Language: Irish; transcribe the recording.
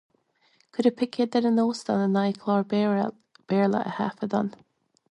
Cuireadh picéid ar an óstán in aghaidh clár Béarla a thaifeadadh ann.